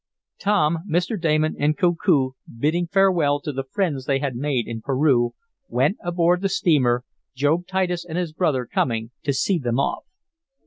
Tom, Mr. Damon and Koku, bidding farewell to the friends they had made in Peru, went aboard the steamer, Job Titus and his brother coming to see them off.